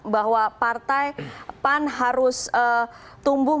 bahwa partai pan harus tumbuh